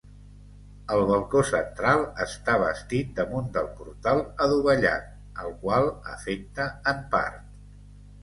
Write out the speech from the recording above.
El balcó central està bastit damunt del portal adovellat, al qual afecta en part.